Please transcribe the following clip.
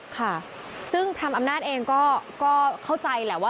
ค่ะซึ่งพรามอำนาจเองก็เข้าใจแหละว่า